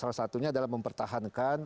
salah satunya adalah mempertahankan